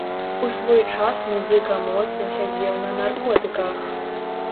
У свой час музыка моцна сядзеў на наркотыках.